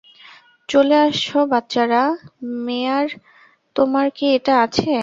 চলে আসো - বাচ্চারা, - মেয়ার, তোমার কি এটা আছে?